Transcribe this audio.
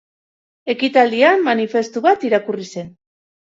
Ekitaldian, manifestu bat irakurri zen.